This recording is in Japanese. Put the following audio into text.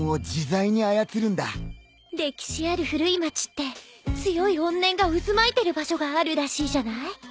歴史ある古い町って強い怨念が渦巻いてる場所があるらしいじゃない。